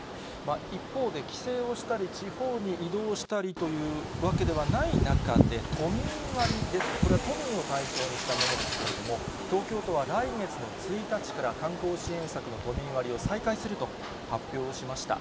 一方で帰省をしたり、地方に移動したりというわけではない中で、都民割ですね、これは都民を対象にしたものですけれども、東京都は来月の１日から、観光支援策の都民割を再開すると発表しました。